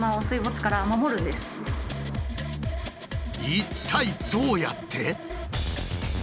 一体どうやって？